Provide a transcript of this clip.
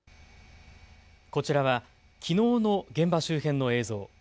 こちらはきのうの現場周辺の映像。